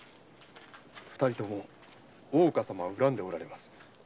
二人とも大岡様を恨んでおられます。